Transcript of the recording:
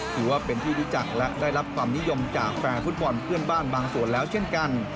ถือว่าเป็นที่รู้จักและได้รับความนิยมจากแฟนฟุตบอลเพื่อนบ้านบางส่วนแล้วเช่นกัน